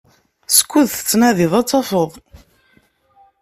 Skud tettnadiḍ ad tafeḍ.